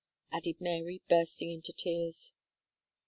added Mary, busting into tears.